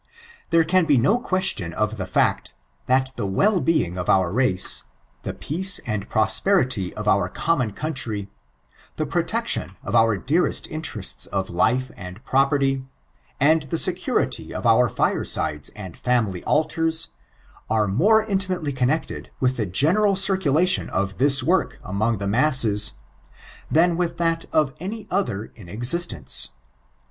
There can be no question of the fact, that the well being of our race, the peace and prosperity of our nommon country; the protection of our dearest interests of life and property, and the security of our firesides and family altars, are more intimately coimected with the general circulation of this work among the masses, than with that of any other in existence.